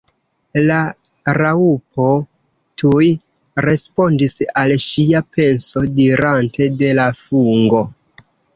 La Raŭpo tuj respondis al ŝia penso, dirante "De la fungo."